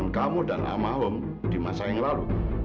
nggak tahu dari pagi